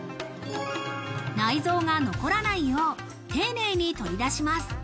内臓が残らないよう、丁寧に取り出します。